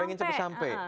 pengen cepat sampai